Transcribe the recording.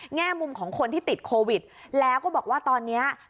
แง่มุมของคนที่ติดโควิดแล้วก็บอกว่าตอนนี้